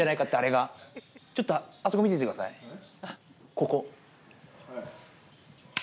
ここ。